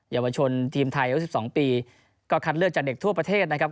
เยาวชนทีมไทยอายุ๑๒ปีก็คัดเลือกจากเด็กทั่วประเทศนะครับ